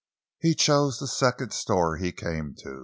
He chose the second store he came to.